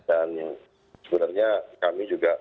dan sebenarnya kami juga